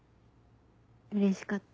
うれしかった。